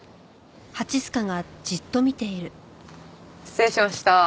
失礼しましたー。